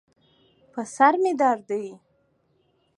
په سر مې درد دی